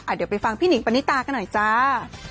เดี๋ยวไปฟังพี่หิงปณิตากันหน่อยจ้า